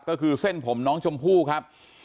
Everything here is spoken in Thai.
ก็คือเส้นผมน้องชมพู่ครับ